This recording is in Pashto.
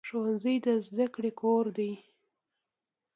ښوونځی د زده کړې کور دی